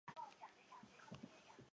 南马农布管辖。